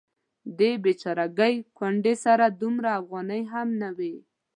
دې بیچارګۍ کونډې سره دومره افغانۍ هم نه وې.